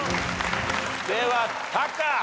ではタカ。